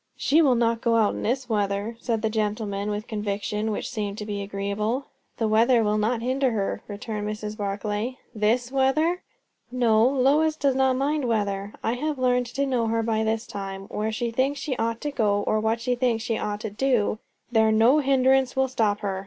"She will not go out in this weather," said the gentleman, with conviction which seemed to be agreeable. "The weather will not hinder her," returned Mrs. Barclay. "This weather?" "No. Lois does not mind weather. I have learned to know her by this time. Where she thinks she ought to go, or what she thinks she ought to do, there no hindrance will stop her.